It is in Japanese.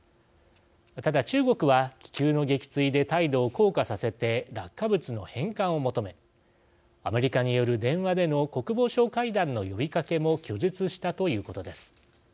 ただ中国は気球の撃墜で態度を硬化させて落下物の返還を求めアメリカによる電話での国防相会談の呼びかけも拒絶したということです。